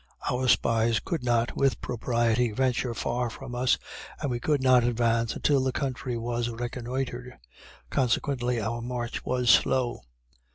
Our spies could not, with propriety, venture far from us, and we could not advance until the country was reconnoitered, consequently our march was slow.